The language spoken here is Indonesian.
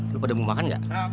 lo pada mau makan gak